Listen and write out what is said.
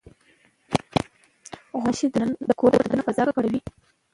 غوماشې د کور د دننه فضا ککړوي.